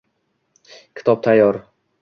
Kitob tayyor.